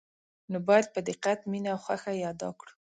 نو باید په دقت، مینه او خوښه یې ادا کړو.